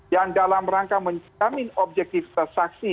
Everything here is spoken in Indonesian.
yang dalam rangka menjamin objektifitas saksi